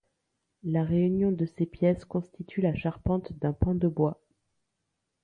La réunion de ces pièces constitue la charpente d'un pan de bois.